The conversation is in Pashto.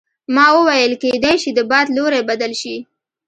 ما وویل کیدای شي د باد لوری بدل شي.